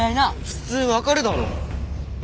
普通分かるだろ。